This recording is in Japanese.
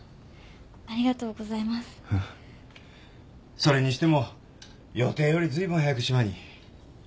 それにしても予定より随分早く島に。